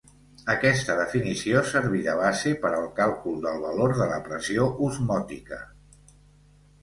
Aquesta definició serví de base per al càlcul del valor de la pressió osmòtica.